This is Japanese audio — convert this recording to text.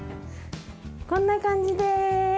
こんな感じです。